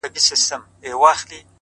• په تور تم کي په تیاروکي لاري ویني ,